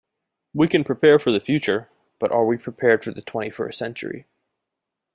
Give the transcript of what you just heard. We can prepare for the future, but are we prepared for the twenty-first century.